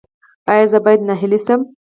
ایا زه باید ناهیلي شم؟